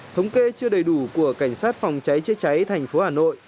thống kê chưa đầy đủ của cảnh sát phòng cháy chữa cháy thành phố hà nội